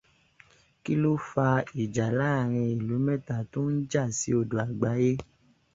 Kí ló fa ìjà láàárín ìlú mẹ́ta tó ń jà sí odò àgbáyé?